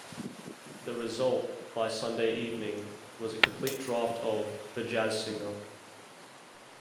The result, by Sunday evening, was a complete draft of "The Jazz Singer".